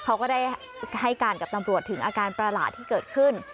เขาก็ได้ให้การกับตำรวจถึงอาการประหลาดที่เกิดขึ้น